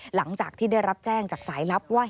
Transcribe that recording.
หลังจากที่ได้รับแจ้งจากสายลับว่า